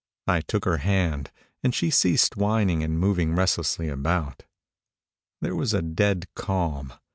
I took her hand, and she ceased whining and moving restlessly about. There was a dead calm.